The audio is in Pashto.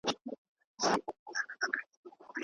د اقلیم ساتنه د هر هیواد او هر وګړي ګډه مسولیت دی.